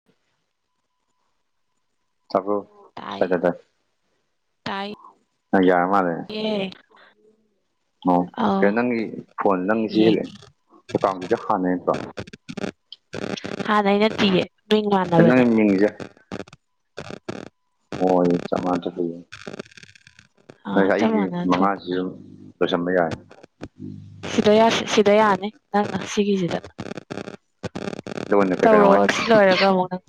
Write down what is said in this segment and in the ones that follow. ꯇꯥꯕꯔꯣ ꯇꯥꯏ [unintelligible] ꯑꯦ ꯑꯣ ꯀꯩꯅꯣ ꯅꯪꯒꯤ ꯐꯣꯟ ꯅꯪꯒꯤꯁꯤ ꯌꯦꯡ ꯑꯦꯀꯥꯎꯗꯨꯗꯤ ꯍꯥꯟꯅꯩ ꯅꯠꯇꯔꯣ ꯍꯥꯟꯅꯩ ꯅꯠꯇꯤꯌꯦ ꯃꯤꯡ ꯃꯥꯟꯅꯕꯅꯦ ꯅꯪꯒꯤ ꯃꯤꯡꯁꯦ ꯍꯣꯏ ꯆꯞ ꯃꯥꯟꯅꯇ꯭ꯔ ꯑꯗꯨꯒꯤꯅꯤ [unintelligible] ꯅꯪꯒ ꯆꯞ ꯑꯩꯒꯤ ꯃꯥꯟꯅ ꯊꯣꯛ ꯃꯉꯥꯁꯤꯁꯨ ꯂꯣꯏꯁꯟꯕ ꯌꯥꯔꯦ ꯁꯤꯗ ꯌꯥꯁꯤ ꯁꯤꯗ ꯌꯥꯅꯤ ꯅꯪ ꯑꯁꯤꯒꯤꯁꯤꯗ ꯑꯗꯨꯒꯅꯦ ꯀꯩ ꯀꯩꯅꯣ ꯍꯥꯏ ꯇꯧꯔꯛꯑꯣ ꯑꯁꯤ ꯂꯣꯏꯔꯒ ꯑꯃꯨꯛ ꯅꯪ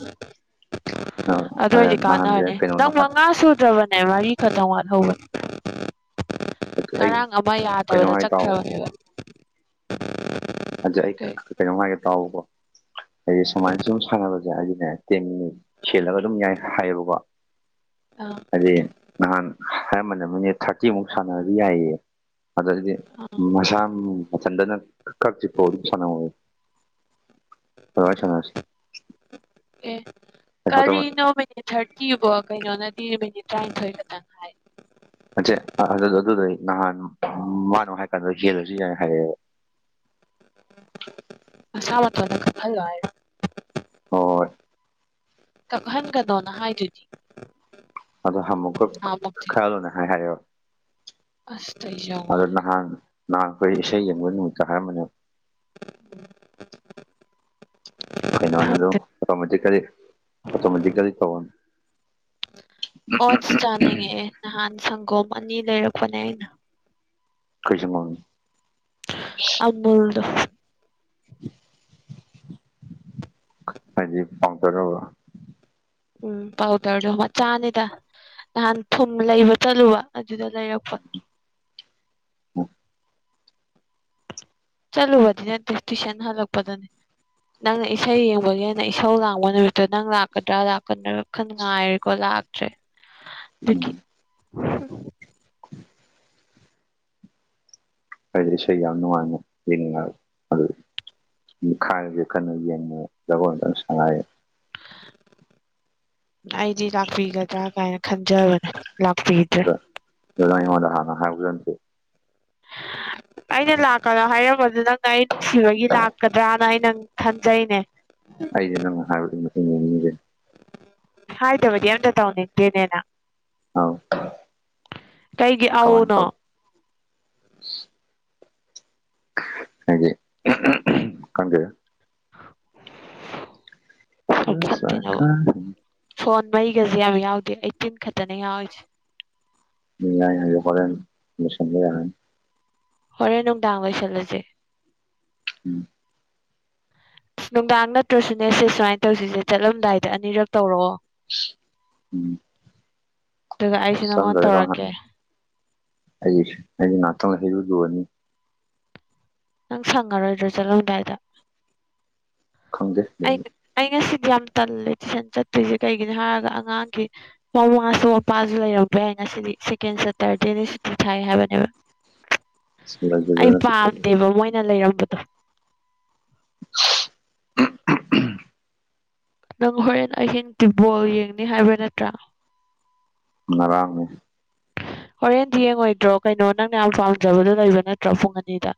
ꯑꯗꯨꯑꯣꯏꯗꯤ ꯅꯍꯥꯟꯁꯦ ꯀꯥꯟꯅꯅꯤ ꯀꯩꯅꯣꯅ ꯅꯪ ꯍꯥꯏꯕ ꯃꯉꯥ ꯁꯨꯗ꯭ꯔꯕꯅꯦ ꯃꯥꯔꯤ ꯐꯅ ꯋꯥꯠꯍꯧꯕꯅꯦ ꯑꯩ ꯉꯔꯥꯡ ꯑꯃꯥ ꯀꯩꯅꯣ ꯌꯥꯗꯕꯗ ꯍꯥꯏ ꯇꯥꯎꯕ ꯆꯠꯈ꯭ꯔꯕꯅꯦꯕ ꯑꯗꯨ ꯑꯩ ꯀꯩ ꯀꯩꯅꯣꯝ ꯍꯥꯏꯒꯦ ꯇꯥꯎꯕꯀꯣ ꯍꯥꯏꯗꯤ ꯁꯨꯃꯥꯏꯅ ꯁꯨꯝ ꯁꯥꯟꯅꯕ ꯑꯥ [unintelligible] ꯅꯍꯥꯟ ꯍꯥꯏꯔꯝꯕꯅꯦꯕ ꯃꯤꯅꯤꯠ ꯊꯥꯔꯇꯤꯃꯨꯛ ꯁꯥꯟꯅꯔꯗꯤ ꯌꯥꯏꯌꯦ ꯑꯗꯨ ꯑꯣꯏꯗꯤ ꯑꯥ ꯃꯁꯥ ꯃꯊꯟꯇꯅ ꯀꯇ꯭ꯔꯤꯄꯧ ꯑꯗꯨꯝ ꯁꯅꯧ [unintelligible] ꯑꯦ ꯀꯔꯤꯅꯣ ꯃꯤꯅꯤꯠ ꯊꯥꯔꯇꯤꯕꯣ ꯀꯩꯅꯣꯅꯗꯤ ꯃꯤꯅꯤꯠ ꯇꯔꯥꯅꯤꯊꯣꯏ ꯈꯛꯇꯪ ꯍꯥꯏ ꯑꯆꯦ ꯑꯗꯨ ꯑꯗꯨꯗꯣ ꯅꯍꯥꯟ ꯃꯥꯅ ꯍꯥꯏ ꯀꯥꯟꯗ ꯍꯦꯜꯂꯁꯨ ꯌꯥꯏ ꯍꯥꯏꯌꯦꯕ ꯑꯁꯥ ꯃꯇꯣꯟꯗ ꯀꯞꯐꯂꯣ ꯍꯥꯏꯔꯣ ꯍꯣꯏ ꯀꯞꯐꯟꯒꯅꯣꯅ ꯍꯥꯏꯗꯨꯗꯤ ꯑꯗꯣ ꯑꯃꯨꯛꯀ ꯅꯍꯥꯟꯃꯨꯛꯇꯤ ꯈꯔꯂꯣꯅ ꯍꯥꯏ ꯍꯥꯏꯌꯣ ꯑꯁ ꯑꯩꯖꯦ ꯌꯥꯝ ꯑꯗꯣ ꯅꯍꯥꯟ ꯅꯍꯥꯟ ꯑꯩꯈꯣꯏ ꯏꯁꯩ ꯌꯦꯡꯕ ꯅꯨꯃꯤꯠꯇ ꯍꯥꯏꯔꯝꯕꯅꯦꯕ [unintelligible] ꯈꯪꯗꯦ ꯀꯩꯅꯥꯅꯅꯣ ꯑꯣꯇꯣꯃꯦꯇꯤꯀꯦꯜꯂꯤ ꯑꯣꯇꯣꯃꯦꯇꯤꯀꯦꯜꯂꯤ ꯇꯧꯔꯣ ꯑꯣꯁ ꯆꯥꯅꯤꯡꯉꯛꯑꯦ ꯅꯍꯥꯟ ꯁꯪꯒꯣꯝ ꯑꯅꯤ ꯂꯩꯔꯛꯄꯅꯦ ꯑꯩꯅ ꯀꯩ ꯁꯪꯒꯣꯝ ꯅꯣ ꯑꯃꯨꯜꯗꯣ [inaudible] ꯍꯥꯏꯗꯤ ꯄꯥꯑꯣꯗꯔꯔꯕ ꯎꯝ ꯄꯥꯎꯗꯔꯗꯣ ꯃꯆꯥꯅꯤꯗ ꯅꯍꯥꯟ ꯊꯨꯝ ꯂꯩꯕ ꯆꯠꯂꯨꯕ ꯑꯗꯨꯗ ꯂꯩꯔꯛꯄ ꯎꯝ ꯆꯠꯂꯨꯕꯗꯤ ꯅꯠꯇꯦ ꯇꯨꯏꯁꯟ ꯍꯜꯂꯛꯄꯗꯅꯤ ꯅꯪꯅ ꯏꯁꯩ ꯌꯦꯡꯕꯒꯤꯅ ꯏꯁꯧ ꯂꯥꯡꯕ ꯅꯨꯃꯤꯠꯇꯨ ꯅꯪ ꯂꯥꯛꯀꯗ꯭ꯔꯥ ꯂꯥꯛꯀꯗ꯭ꯔꯥ ꯈꯟ ꯉꯥꯏꯔꯤꯀꯣ ꯂꯥꯛꯇ꯭ꯔꯦ ꯑꯗꯨꯒꯤ ꯎꯝ [inaudible] ꯑꯩ ꯏꯁꯩ ꯌꯥꯝ ꯅꯨꯡꯉꯥꯏꯅ ꯌꯦꯅꯤꯡ [unintelligible] ꯑꯩꯗꯤ ꯂꯥꯛꯄꯤꯒꯗ꯭ꯔꯥ ꯀꯥꯏꯅ ꯈꯟꯖꯕꯅꯦ ꯂꯥꯛꯄꯤ ꯑꯗꯨ ꯅꯪ ꯑꯩꯉꯣꯟꯗ ꯍꯥꯟꯅ ꯍꯥꯏꯕꯁꯨ ꯅꯠꯇꯦ ꯑꯩꯅ ꯂꯥꯛꯄꯗ ꯍꯥꯏꯔꯝꯕꯗꯨ ꯅꯪꯅ ꯑꯩ ꯅꯨꯡꯁꯤꯕꯒꯤ ꯂꯥꯛꯀꯗ꯭ꯔꯥ ꯑꯩ ꯅꯪ ꯈꯟꯖꯩꯅꯦ ꯑꯩꯗꯤ ꯅꯪꯅ ꯍꯥꯏꯕꯗꯤ ꯃꯇꯨꯡ ꯌꯦꯅꯤꯡꯉꯤꯁꯦ ꯍꯧꯗꯔ꯭ꯗꯤ ꯑꯃꯇꯥ ꯇꯧꯅꯤꯡꯗꯦꯅꯦ ꯅꯡ ꯑꯥꯎ ꯀꯩꯒꯤ ꯀꯃꯥꯏꯅ ꯑꯧꯅꯣ ꯇꯧ ꯍꯥꯏꯗꯤ ꯈꯪꯗꯦꯗ [unintelligible] ꯐꯣꯟ ꯃꯩꯒꯁꯦ ꯌꯥꯝ ꯌꯥꯎꯗꯦ ꯑꯦꯠꯇꯤꯟ ꯈꯛꯇꯅꯦ ꯌꯥꯎꯔꯤꯁꯦ [unintelligible] ꯍꯣꯔꯦꯜ ꯂꯣꯏꯁꯤꯟꯕꯥ ꯌꯥꯔꯥꯅꯤ ꯍꯣꯔꯦꯟ ꯅꯨꯡꯗꯥꯡ ꯂꯣꯏꯁꯜꯂꯁꯦ ꯎꯝ ꯅꯨꯡꯗꯥꯡ ꯅꯠꯇ꯭ꯔꯁꯨꯅꯦꯁꯦ ꯁꯨꯃꯥꯏꯅ ꯇꯧꯁꯤꯁꯦ ꯆꯠꯂꯝꯗꯥꯏꯗ ꯑꯅꯤꯔꯛ ꯇꯧꯔꯛꯑꯣ ꯎꯝ ꯑꯗꯨꯒ ꯑꯩꯁ ꯅꯪꯉꯣꯟ ꯆꯪꯗ꯭ꯔꯒ ꯇꯧꯔꯛꯀꯦ [unintelligible] ꯅꯪ ꯁꯪꯉꯔꯣꯏꯗ꯭ꯔꯣ ꯆꯠꯂꯝꯗꯥꯏꯗ ꯈꯪꯗꯦ ꯑꯩ ꯑꯩ ꯉꯁꯤꯗꯤ ꯌꯥꯝ ꯇꯜꯂꯦ ꯇꯨꯏꯁꯟ ꯆꯠꯇ꯭ꯣꯏꯔꯤꯁꯦ ꯀꯩꯒꯤꯅꯣ ꯍꯥꯏꯔꯒ ꯑꯉꯥꯡꯒꯤ ꯃꯃꯥꯁꯨ ꯃꯄꯥꯁꯨ ꯂꯩꯔꯝꯕ ꯌꯥꯏ ꯉꯁꯤꯗꯤ ꯁꯦꯀꯦꯟ ꯁꯦꯇꯔꯗꯦꯗꯤ ꯁꯨꯇꯤ ꯊꯥꯏ ꯍꯥꯏꯕꯅꯦꯕ ꯑꯩ [unintelligible] ꯄꯥꯝꯗꯦꯕ ꯃꯣꯏꯅ ꯂꯩꯔꯝꯕꯗꯣ ꯅꯪ ꯍꯣꯔꯦꯟ ꯑꯍꯤꯡ ꯐꯨꯠꯕꯣꯜ ꯌꯦꯡꯅꯤ ꯍꯥꯏꯕ ꯅꯠꯇ꯭ꯔꯥ ꯉꯔꯥꯡꯅꯤ ꯍꯣꯔꯦꯟꯗꯤ ꯌꯦꯡꯉꯣꯏꯗ꯭ꯔꯣ ꯀꯩꯅꯣ ꯅꯪꯅ ꯌꯥꯝ ꯄꯥꯝꯖꯕꯗꯨ ꯂꯩꯕ ꯅꯠꯇ꯭ꯔꯣ ꯄꯨꯡ ꯑꯅꯤꯗ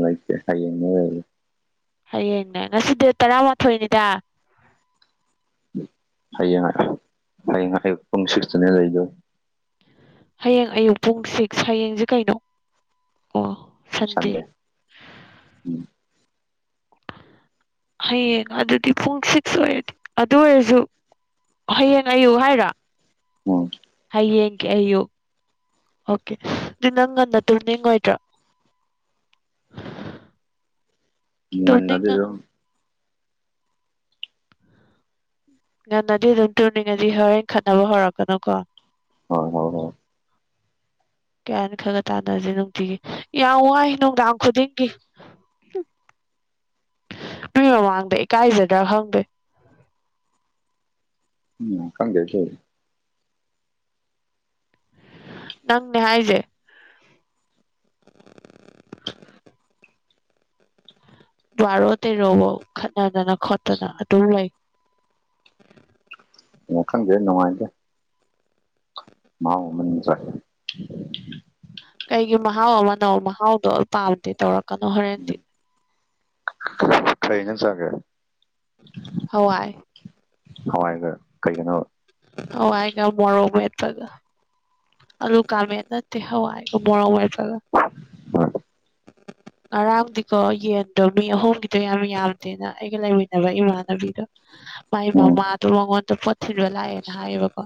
ꯂꯩꯇꯦ ꯍꯌꯦꯡꯅꯤ ꯂꯩꯔꯤꯁꯤ ꯍꯌꯦꯡꯅꯦ ꯉꯁꯤꯗꯤ ꯗꯦꯠ ꯇꯔꯥꯃꯥꯊꯣꯏꯅꯤꯗ ꯍꯌꯦꯡ ꯍꯌꯦꯡ ꯑꯌꯨꯛ ꯄꯨꯡ ꯁꯤꯀꯁ꯭ꯇꯥꯅꯦ ꯂꯩꯔꯤꯗꯣ ꯍꯌꯦꯡ ꯑꯌꯨꯛ ꯄꯨꯡ ꯁꯤꯛꯁ ꯍꯌꯦꯡꯁꯦ ꯀꯩꯅꯣ ꯑꯣ ꯁꯟꯗꯦ ꯎꯝ ꯍꯌꯦꯡ ꯑꯗꯨꯗꯤ ꯄꯨꯡ ꯁꯤꯛꯁ ꯑꯣꯏꯔꯗꯤ ꯑꯗꯨ ꯑꯣꯏꯔꯁꯨ ꯍꯌꯦꯡ ꯑꯌꯨꯛ ꯍꯥꯏꯔꯣ ꯎꯝ ꯍꯥꯌꯦꯡꯒꯤ ꯑꯌꯨꯛ ꯑꯣꯀꯦ ꯑꯗꯨ ꯅꯪ ꯉꯟꯅ ꯇꯨꯝꯅꯤꯡꯉꯣꯏꯗ꯭ꯔꯣ ꯉꯟꯅꯗꯤ ꯇꯨꯝꯅꯤꯡꯉ ꯑꯗꯨꯝ ꯉꯟꯅꯗꯤ ꯑꯗꯨꯝ ꯇꯨꯅꯤꯡꯉꯗꯤ ꯍꯣꯔꯦꯟ ꯈꯠꯅꯕ ꯍꯧꯔꯛꯀꯅꯨ ꯀꯣ ꯍꯣꯏ ꯍꯣꯏ ꯍꯣꯏ ꯌꯥꯟ ꯈꯔꯒ ꯇꯥꯗꯕꯁꯤ ꯅꯨꯡꯇꯤꯒꯤ ꯌꯥꯝ ꯋꯥꯏ ꯅꯨꯡꯗꯥꯡ ꯈꯨꯗꯤꯡꯒꯤ ꯃꯤ ꯃꯃꯥꯡꯗ ꯏꯀꯥꯏꯖꯗ꯭ꯔꯥ ꯈꯪꯗꯦ ꯎꯝ ꯈꯪꯗꯦꯅꯦ ꯇꯧꯖꯦ ꯅꯪꯅꯦ ꯍꯥꯏꯖꯦ [inaudible] ꯕꯥꯔꯣ ꯇꯦꯔꯣꯕꯧ ꯈꯠꯅꯗꯅ ꯈꯣꯠꯇꯅ ꯑꯗꯨꯝ ꯂꯩ ꯎꯝ ꯈꯪꯗꯦ ꯅꯨꯡꯉꯥꯏꯗꫭꯏꯔ ꯃꯥꯎ ꯃꯅꯨꯡ ꯆꯪꯕꯅꯤ ꯀꯩꯒꯤ ꯃꯍꯥꯎ ꯑꯃꯅꫭ ꯃꯍꯥꯎꯗꯣ ꯄꯥꯝꯗꯦ ꯇꯧꯔꯛꯀꯅꯣ ꯍꯣꯔꯦꯟꯗꯤ ꯀꯩꯩꯅ ꯖꯥꯡ ꯆꯥꯒꯦ ꯍꯣꯏ ꯍꯋꯥꯏꯒ ꯀꯩꯒꯅꯣꯕꯥ ꯍꯋꯥꯏꯒ ꯃꯣꯔꯣꯛ ꯃꯦꯠꯄꯒ ꯑꯂꯨ ꯀꯪꯃꯦꯠ ꯅꯠꯇꯦ ꯍꯋꯥꯏꯒ ꯃꯣꯔꯣꯛ ꯃꯦꯠꯄꯒꯥ ꯉꯔꯥꯡꯗꯤꯀꯣ ꯌꯦꯟꯗꯣ ꯃꯤ ꯑꯍꯨꯝꯒꯤꯗꯣ ꯌꯥꯝ ꯌꯥꯝꯗꯦꯅ ꯑꯩꯒ ꯂꯩꯃꯤꯟꯅꯕ ꯏꯃꯥꯟꯅꯕꯤꯗꯣ [inaudible] ꯃꯥꯏ ꯃꯃꯥꯗꯣ ꯃꯉꯣꯟꯗ ꯄꯣꯠ ꯊꯤꯟꯕ ꯂꯥꯛꯑꯦꯅ ꯍꯥꯏꯌꯦꯕꯀꯣ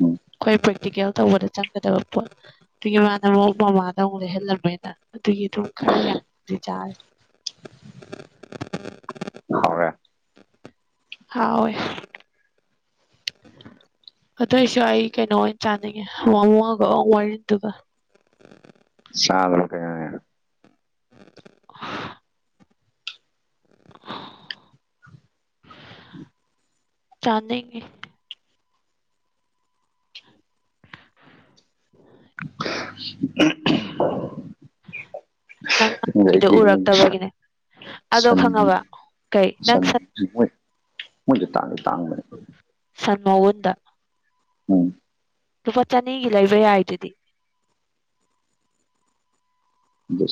ꯎꯝ ꯄ꯭ꯔꯦꯛꯇꯤꯀꯦꯜ ꯇꯧꯕꯗ ꯆꯪꯒꯗꯕ ꯄꯣꯠ ꯑꯗꯨꯒꯤ ꯃꯥꯅ ꯑꯃꯨꯛ ꯃꯃꯥꯗ ꯑꯃꯨꯛ ꯂꯩꯍꯜꯂꯝꯃꯤꯅꯥ ꯑꯗꯨꯒꯤ ꯑꯗꯨꯝ ꯈꯔ ꯌꯥꯝꯗꯤ ꯆꯥꯔꯦ ꯍꯥꯎꯔꯦ ꯍꯥꯎꯋꯦ ꯑꯗꯨꯑꯣꯏꯁꯨ ꯑꯩ ꯀꯩꯅꯣ ꯑꯣꯏꯅ ꯆꯥꯅꯤꯡꯉꯦ ꯋꯥꯡꯋꯒ ꯋꯥꯔꯤꯜꯗꯨꯒ ꯆꯥꯕꯅ ꯀꯩ [unintelligible] ꯎꯝ [inaudible] ꯆꯥꯅꯤꯡꯉꯤ [unintelligible] ꯅꯪ ꯅꯍꯥꯟꯒꯤꯗꯣ ꯌꯥꯏ ꯎꯔꯛꯇꯕꯒꯤꯅꯦ [unintelligible] ꯑꯗꯣ ꯁꯟ ꯈꯪꯉꯕ ꯀꯩ ꯅꯪ ꯁꯟ ꯁꯟꯗꯤ ꯃꯣꯏ ꯃꯣꯏꯗꯤ ꯇꯥꯡꯗꯤ ꯇꯥꯡꯕꯅꯦ ꯁꯟ ꯃꯎꯟꯗ ꯎꯝ ꯂꯨꯄꯥ ꯆꯅꯤꯒꯤ ꯂꯩꯕ ꯌꯥꯏꯗꯨꯗꯤ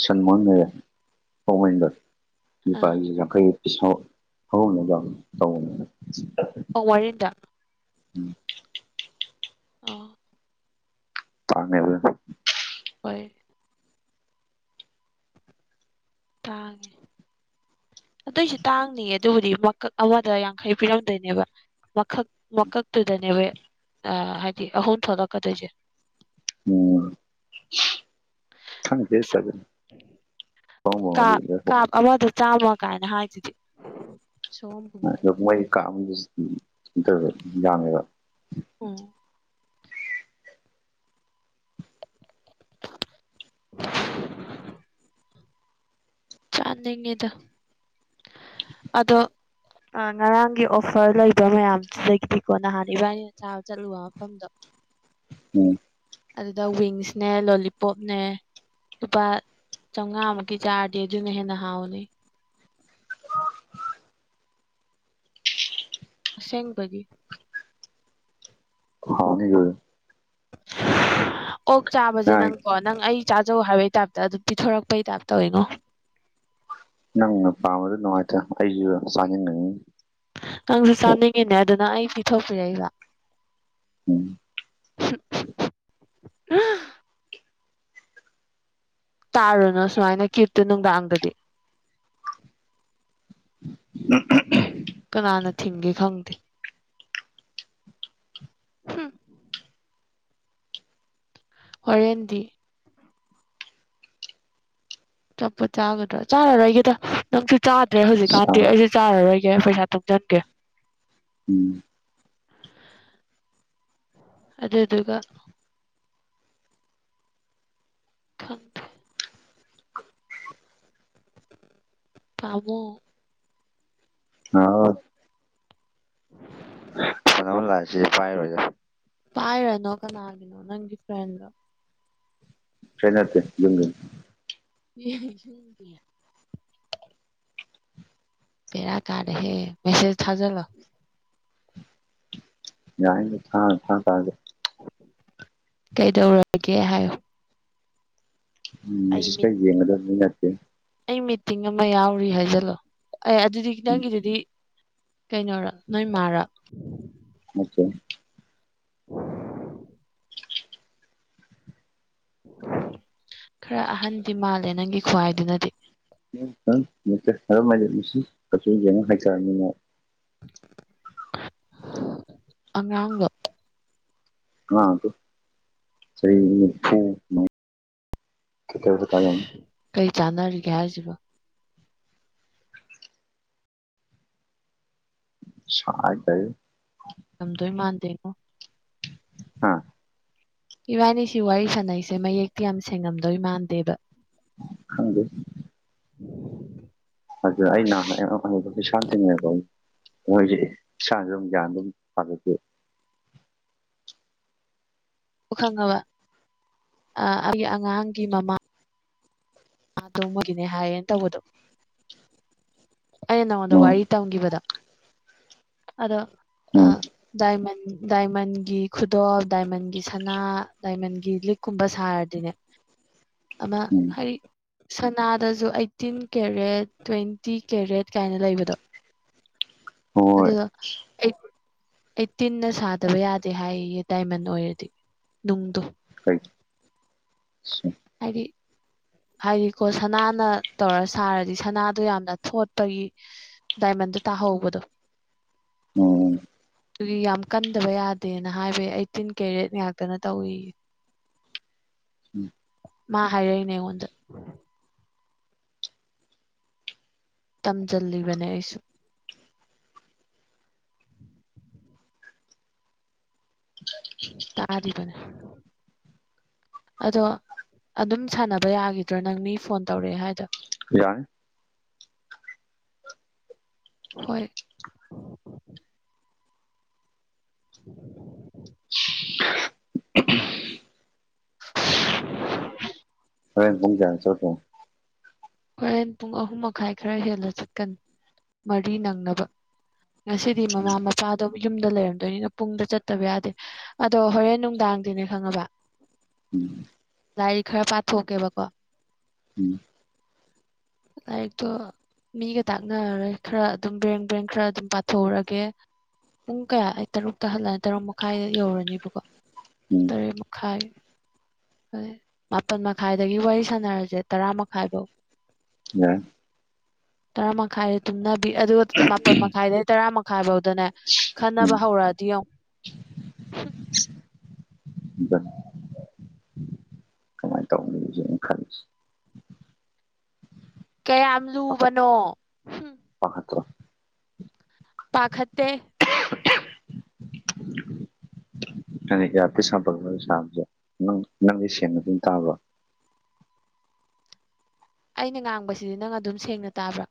ꯁꯟꯃꯎꯟ ꯂꯩꯔꯦ ꯄꯃꯦꯟꯗ꯭ꯔ [unintelligible] ꯂꯨꯄꯥꯥ ꯑꯥ ꯌꯥꯡꯈꯩ [unintelligible] ꯍꯧꯔꯣꯡꯅꯕ ꯌꯥꯝ ꯇꯧꯕꯅꯤꯅ ꯑꯣꯛ ꯃꯔꯤꯟꯗ ꯎꯝ ꯑ ꯐꯝꯃꯦꯕ ꯑꯗꯨ ꯍꯣꯏ ꯇꯥꯡꯉꯦ ꯑꯗꯨꯏꯁꯨ ꯇꯥꯡꯗꯤꯔꯦ ꯑꯗꯨꯕꯨꯗꯤ ꯃꯀꯛ ꯑꯃꯗ ꯌꯥꯡꯈꯩ ꯄꯤꯔꯝꯗꯣꯏꯅꯦꯕ ꯃꯀꯛ ꯃꯀꯛꯇꯨꯗꯅꯦꯕ ꯑ ꯍꯥꯏꯗꯤ ꯑꯍꯨꯝ ꯊꯣꯛꯂꯛꯀꯗꯣꯏꯁꯦ ꯎꯝ ꯈꯪꯗꯦ ꯑꯗꯨꯗꯤ ꯀꯞ ꯀꯥꯞ ꯑꯃꯗ ꯆꯥꯝꯃ ꯀꯥꯏꯅ ꯍꯥꯏꯗꯨꯗꯤ ꯁꯨꯝ ꯑ ꯃꯩ ꯀꯥꯝꯕꯁꯨꯇ [unintelligible] ꯌꯥꯝꯃꯦꯕ ꯑꯣ [unintelligible] ꯆꯥꯅꯤꯡꯉꯤꯗ ꯑꯗꯣ ꯑ ꯉꯔꯥꯡꯒꯤ ꯑꯣꯐꯔ ꯂꯩꯕ ꯃꯌꯥꯝꯗꯨꯗꯒꯤꯅꯤꯀꯣ ꯅꯍꯥꯟ ꯏꯕꯥꯏꯅꯤ ꯆꯥꯕ ꯆꯠꯂꯨꯕ ꯃꯐꯝ ꯗꫭ ꯎꯝ ꯑꯗꯨꯗ ꯋꯤꯡ꯭ꯁꯅꯦ ꯂꯣꯂꯤꯄꯣꯞꯅꯦ ꯂꯨꯄꯥ ꯆꯥꯎꯉꯥꯃꯨꯛꯀꯤ ꯆꯥꯔꯗꯤ ꯑꯗꯨꯅ ꯍꯦꯟꯅ ꯍꯥꯎꯅꯤ ꯑꯁꯦꯡꯕꯒꯤ ꯍꯥꯎꯅꯤꯒꯔ [unintelligible] ꯑꯣꯛ ꯆꯥꯕꯁꯦ ꯅꯪ ꯅꯪꯀꯣ ꯅꯪ ꯑꯩ ꯆꯥꯖꯧ ꯍꯥꯏꯕꯩ ꯇꯥꯏꯞꯇ ꯑꯗꯨꯝ ꯄꯤꯊꯣꯔꯛꯄꯩ ꯇꯥꯏꯞꯇ ꯇꯧꯋꯤꯉꯣ ꯅꯪꯅ ꯄꯥꯝꯕꯗꯨ ꯅꯨꯡꯉꯥꯏꯇꯅꯥ ꯑꯩꯖꯨ ꯆꯥꯅꯤꯡꯉꯤꯅꯤ ꯅꯪꯁꯨ ꯆꯥꯅꯤꯡꯉꯤꯅꯦ ꯑꯗꯨꯅ ꯑꯩ ꯄꯤꯊꯣꯛꯄꯤꯔꯛꯏꯕ ꯎꯝ [unintelligible] ꯇꯥꯔꯨꯅꯨ ꯁꯨꯃꯥꯏꯅ ꯀꯤꯞꯇꯨ ꯅꯨꯡꯗꯥꯡꯗꯗꯤ [unintelligible] ꯀꯅꯥꯅ ꯊꯤꯡꯒꯦ ꯈꯪꯗꯦ ꯍꯝ ꯍꫭꯔꯦꯟꯗꯤ ꯑꯆꯥꯄꫭꯠ ꯆꯥꯒꯗ꯭ꯔꯥ ꯆꯥꯔꯔꯣꯏꯒꯦꯗ ꯅꯪꯁꯨ ꯆꯥꯗ꯭ꯔꯦ ꯍꯧꯖꯤꯛꯀꯥꯟꯗꯤ ꯑꯩꯁꯨ ꯆꯥꯔꯔꯣꯏꯒꯦ ꯑꯩ ꯄꯩꯁꯥ ꯇꯨꯡꯖꯟꯒꯦ ꯎꯝ ꯑꯗꯨꯗꯨꯒ ꯈꯪꯗꯦ ꯄꯥꯝꯃꫭ ꯍꯥꯎ [unintelligible] ꯄꯥꯏꯔꯅꯣ ꯀꯅꯥꯒꯤꯅꯣ ꯅꯪꯒꯤ ꯐ꯭ꯔꯦꯟꯗꫭ ꯁꯤ ꯅꯠꯇꯦ ꯌꯨꯝꯗꯅꯤ [unintelligible] ꯕꯦꯔꯥ ꯀꯥꯔꯦꯍꯦ ꯃꯦꯁꯦꯖ ꯊꯥꯖꯜꯂꯣ ꯌꯥꯏꯅꯤꯗ ꯊꯥ ꯊꯥꯇꯥꯖꯨ ꯀꯩꯗꯧꯔꯒꯦ ꯍꯥꯏꯌꯨ ꯎꯝ ꯃꯦꯁꯦꯖꯀ ꯃꯤꯠ ꯌꯦꯡꯒꯗꯕ ꯃꯤ ꯅꯠꯇꯦꯅꯦ ꯑꯩ ꯃꯤꯇꯤꯡ ꯑꯃ ꯌꯥꯎꯔꯤ ꯍꯥꯏꯖꯜꯂꯣ ꯑꯦ ꯑꯗꯨꯗꯤ ꯎꯝ ꯅꯪꯒꯤꯗꯨꯗꯤ ꯀꯩꯅꫭꯔ ꯅꯣꯏ ꯃꯥꯔ ꯅꯠꯇꯦ [unintelligible] ꯈꯔ ꯑꯍꯟꯗꯤ ꯃꯥꯜꯂꯦ ꯅꯪꯒꯤ ꯈꯨꯍꯥꯏꯗꯨꯅꯗꯤ [unintelligible] ꯑꯉꯥꯡꯂꯣ ꯑꯉꯥꯡ ꯅꯠꯇꯦ ꯆꯍꯤ ꯅꯤꯝꯐꯨꯃꯨꯛ [unintelligible] ꯀꯩ ꯆꯥꯟꯅꯔꯤꯒꯦ ꯍꯥꯏꯖꯤꯕꯨ ꯁꯥꯏꯍꯦ ꯉꯝꯗꯣꯏ ꯃꯥꯟꯗꯦꯉꯣ ꯍꯥ ꯏꯕꯥꯅꯤ ꯁꯤ ꯋꯥꯔꯤ ꯁꯥꯟꯅꯩꯁꯦ ꯃꯌꯦꯛꯇꯤ ꯌꯥꯝ ꯁꯦꯡꯉꯝꯗꯣꯏ ꯃꯥꯟꯗꯦꯕ ꯈꯪꯗꯦ ꯑꯗꯨ ꯑꯩ ꯅꯍꯥꯟ [unintelligible] ꯃꯣꯏꯖꯦ ꯏꯁꯥꯅꯖꯨ ꯑꯗꯨꯝ ꯒ꯭ꯌꯥꯟ ꯑꯗꯨꯝ ꯇꯥꯖꯗꯦ ꯈꯪꯉꯕ ꯑ ꯑꯩꯒꯤ ꯑꯉꯥꯡꯒꯤ ꯃꯃꯥ ꯑꯇꯣꯡꯃꯒꯤꯅꯦ ꯍꯥꯏꯌꯦꯅ ꯇꯧꯕꯗꯣ ꯑꯩꯅ ꯅꯪꯉꯣꯟꯗ ꯎꯝ ꯋꯥꯔꯤ ꯇꯝꯒꯤꯕꯗꯣ ꯑꯗꯣ ꯎꯝ ꯗꯥꯏꯃꯟ ꯗꯥꯏꯃꯟꯒꯤ ꯈꯨꯗꯣꯞ ꯗꯥꯏꯃꯟꯒꯤ ꯁꯅꯥ ꯗꯥꯏꯃꯟꯒꯤ ꯂꯤꯛ ꯀꯨꯝꯕ ꯁꯥꯔꯗꯤꯅꯦ [inaudible] ꯑꯃ ꯎꯝ ꯍꯥꯏꯔꯤ ꯁꯅꯥꯗꯁꯨ ꯑꯥꯏꯇꯤꯟ ꯀꯦꯔꯦꯠ ꯇ꯭ꯋꯦꯟꯇꯤ ꯀꯦꯔꯦꯠ ꯀꯥꯏꯅ ꯂꯩꯕꯗꯣ ꯍꯣꯏ ꯑꯗꯨꯗꯣ ꯑꯩꯠ ꯑꯩꯠꯇꯤꯟꯅ ꯁꯥꯗꯕ ꯌꯥꯗꯦ ꯍꯥꯏꯌꯦꯌꯦ ꯗꯥꯏꯃꯟ ꯑꯣꯏꯔꯗꯤ ꯅꯨꯡꯗꯨ [unintelligible] ꯍꯥꯏꯗꯤ ꯍꯥꯏꯗꯤꯀꯣ ꯁꯅꯥꯅ ꯇꯧꯔ ꯁꯥꯔꯗꯤ ꯁꯅꯥꯗꯣ ꯌꯥꯝꯅ ꯊꯣꯠꯄꯒꯤ ꯗꯥꯏꯃꯟꯗ ꯇꯥꯍꯧꯕꯗꯣ ꯎꯝ ꯑꯗꯨꯒꯤ ꯌꯥꯝ ꯀꯟꯗꯕ ꯌꯥꯗꯦꯅ ꯍꯥꯏꯕꯩ ꯑꯥꯏꯇꯤꯟ ꯀꯦꯔꯦꯠ ꯉꯥꯛꯇꯅ ꯇꯧꯏꯌꯦ [inaudible] ꯃꯥ ꯍꯥꯏꯔꯛꯏꯅꯦ ꯑꯩꯉꫭꯟꯗꯥ ꯇꯝꯖꯤꯜꯂꯤꯕꯅꯦ ꯑꯩꯁꯨ ꯇꯥꯔꯤꯕꯅꯦ ꯑꯗꯣ ꯑꯗꯨꯝ ꯁꯥꯟꯅꯕ ꯌꯥꯒꯤꯗ꯭ꯔꯣ ꯅꯪ ꯃꯤ ꯐꯣꯟ ꯇꯧꯔꯛꯑꯦ ꯍꯥꯏꯗꯣ ꯌꯥꯏ ꯍꯣꯏ [inaudible] ꯍꯧꯔꯦꯟ ꯄꯨꯡ ꯀꯌꯥꯗ ꯆꯠꯇꯣꯏꯅꯣ ꯍꯣꯔꯦꯟ ꯄꯨꯡ ꯑꯍꯨꯝ ꯃꯈꯥꯏ ꯈꯔ ꯍꯦꯜꯂ ꯆꯠꯀꯅꯤ ꯃꯔꯤ ꯅꯪꯅꯕ ꯉꯁꯤꯗꯤ ꯃꯃꯥ ꯃꯄꯥꯗꯣ ꯌꯨꯝꯗ ꯂꯩꯔꯝꯗꯣꯏꯅꯤꯅ ꯄꯨꯡꯗ ꯆꯠꯇꯕ ꯌꯥꯗꯦ ꯑꯗꯣ ꯍꯣꯔꯦꯟ ꯅꯨꯡꯗꯥꯡꯗꯤꯅꯦ ꯈꯪꯉꯕ ꯎꯝ ꯂꯥꯏꯔꯤꯛ ꯈꯔ ꯄꯥꯊꯣꯛꯀꯦꯕꯀꯣ ꯎꯝ ꯑꯩꯛꯇꯣ ꯃꯤꯒ ꯇꯥꯛꯅꯔꯣꯏ ꯈꯔ ꯑꯗꯨꯝ ꯕ꯭ꯔꯦꯡ ꯕ꯭ꯔꯦꯡ ꯈꯔ ꯑꯗꯨꯝ ꯄꯥꯊꯣꯛꯎꯔꯒꯦ ꯄꯨꯡ ꯀꯌꯥ ꯑꯩ ꯇꯔꯨꯛꯇ ꯍꯜꯂꯅꯤ ꯇꯔꯨꯛ ꯃꯈꯥꯏꯗ ꯌꯧꯔꯅꯤꯕꯀꯣ ꯎꯝ ꯇꯔꯦꯠ ꯃꯈꯥꯏ ꯍꯣꯏ ꯃꯥꯄꯜ ꯃꯈꯥꯏꯗꯒꯤ ꯋꯥꯔꯤ ꯁꯥꯟꯅꯔꯁꯦ ꯇꯔꯥ ꯃꯈꯥꯏꯐꯧ ꯌꯥꯏ ꯇꯔꯥ ꯃꯈꯥꯏꯗ ꯇꯨꯝꯅꯕꯤ ꯑꯗꯨꯒ ꯃꯥꯄꯜ ꯃꯈꯥꯏꯗꯩ ꯇꯔꯥ ꯃꯈꯥꯏ ꯐꯥꯎꯗꯅꯦ ꯎꯝ ꯈꯟꯅꯕ ꯍꯧꯔꯛꯑꯗꯤ ꯌꯦꯧ ꯀꯃꯥꯏꯅ ꯇꯧꯅꯤ [unintelligible] ꯀꯌꯥꯝ ꯄꯥꯈꯠ ꯂꯨꯕꯅꯣ [unintelligible] ꯄꯥꯈꯠꯇꯦ ꯐꯇ ꯁꯥꯥꯄ ꯂꯩ ꯁꯥꯕꯁꯦ ꯅꯪꯗꯤ ꯁꯦꯡꯅ ꯑꯗꯨꯝ ꯇꯥꯕ꯭ꯔꯣ ꯑꯩꯅ ꯉꯥꯡꯕꯁꯤꯗꯤ ꯅꯪ ꯑꯗꯨꯝ ꯁꯦꯡꯅ ꯇꯥꯕ꯭ꯔꯥ